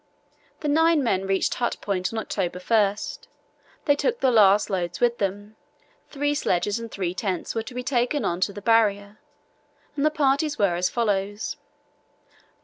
The nine men reached Hut Point on October 1. They took the last loads with them. Three sledges and three tents were to be taken on to the Barrier, and the parties were as follows: No.